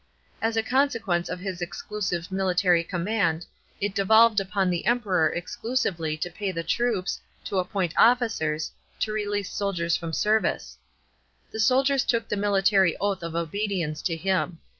As a consequence ot his exclusive military command, it devolved upon the Emperor exclusively to pay the troops, to appoint officers, to release soldiers from service.* The soldiers took the military oath of obedience to him.